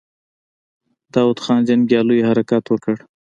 د داوود خان جنګياليو حرکت وکړ.